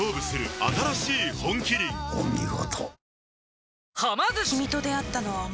お見事。